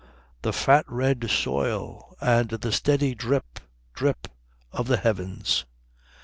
The fat red soil and the steady drip, drip of the heavens."